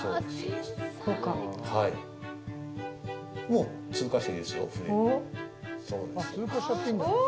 もう通過していいですよ。